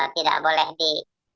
tidak boleh di